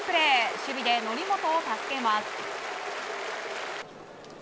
守備で則本を助けます。